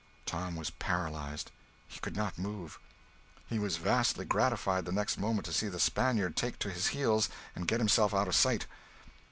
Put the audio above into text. Tom was paralyzed; he could not move. He was vastly gratified the next moment, to see the "Spaniard" take to his heels and get himself out of sight.